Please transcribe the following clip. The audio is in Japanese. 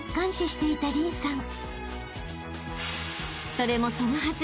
［それもそのはず。